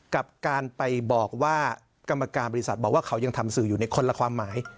กับการไปบอกว่ากรรมการบริษัทบอกว่าเขายังทำสื่ออยู่ในคนละความหมาย